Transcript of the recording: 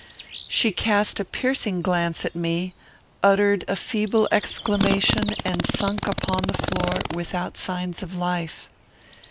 She cast a piercing glance at me, uttered a feeble exclamation, and sunk upon the floor without signs of life.